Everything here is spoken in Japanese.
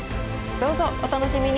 どうぞお楽しみに！